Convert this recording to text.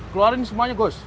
keluarin semuanya bos